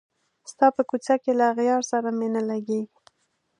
ستا په کوڅه کي له اغیار سره مي نه لګیږي